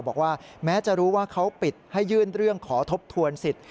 บอกว่าแม้จะรู้ว่าเขาปิดให้ยื่นเรื่องขอทบทวนสิทธิ